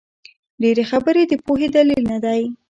ډېري خبري د پوهي دلیل نه دئ.